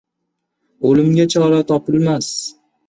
• O‘limga chora topilmas.